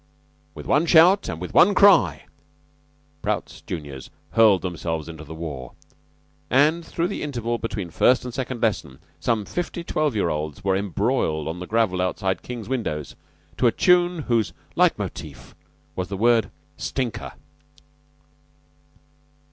"With one shout and with one cry" Prout's juniors hurled themselves into the war, and through the interval between first and second lesson some fifty twelve year olds were embroiled on the gravel outside King's windows to a tune whose leit motif was the word "stinker."